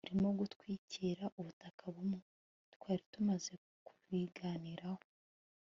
urimo gutwikira ubutaka bumwe. twari tumaze kubiganiraho